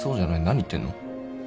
何言ってんの。